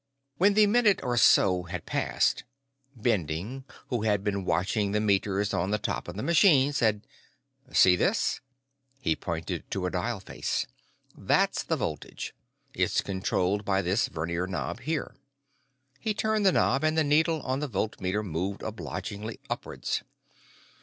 When the "minute or so" had passed, Bending, who had been watching the meters on the top of the machine, said: "See this?" He pointed at a dial face. "That's the voltage. It's controlled by this vernier knob here." He turned the knob, and the needle on the voltmeter moved obligingly upwards.